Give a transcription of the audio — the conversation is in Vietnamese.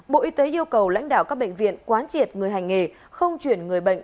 bộ y tế yêu cầu lãnh đạo các bệnh viện quán triệt người hành nghề không chuyển người bệnh